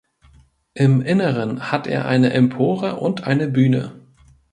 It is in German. Im Inneren hat er eine Empore und eine Bühne.